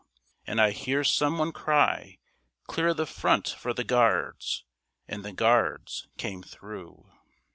And I hear some one cry, "Clear the front for the Guards!" And the Guards came through.